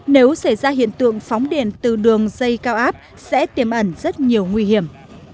nếu xảy ra hiện tượng phóng điện từ đường dây cao áp sẽ tiềm ẩn rất nhiều nguy hiểm